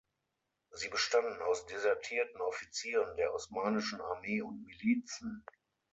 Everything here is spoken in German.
Sie bestanden aus desertierten Offizieren der osmanischen Armee und Milizen.